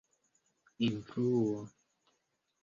influo